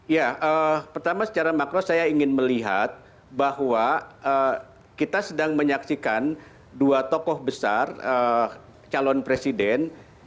ya pertama secara makro saya ingin melihat bahwa kita sedang menyaksikan dua tokoh besar calon presiden